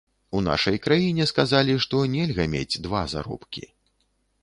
У нашай краіне сказалі, што нельга мець два заробкі.